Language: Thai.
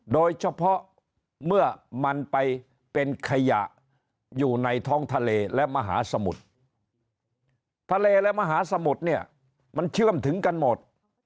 โดยเฉพาะเมื่อมันไปเป็นขยะอยู่ในท้องทะเลและมหาสมุทรทะเลและมหาสมุทรเนี่ยมันเชื่อมถึงกันหมด